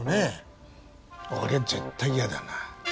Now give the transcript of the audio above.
俺は絶対嫌だな。